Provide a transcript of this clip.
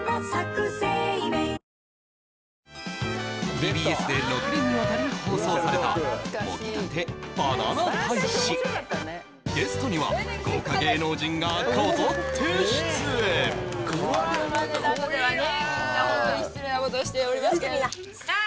ＴＢＳで６年にわたり放送されたゲストには豪華芸能人がこぞって出演さあ